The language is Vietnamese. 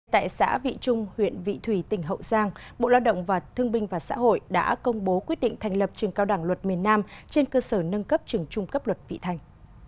tại xã vị trung huyện vị thủy tỉnh hậu giang bộ lao động và thương binh và xã hội đã công bố quyết định thành lập trường cao đẳng luật miền nam trên cơ sở nâng cấp trường trung cấp luật vị thành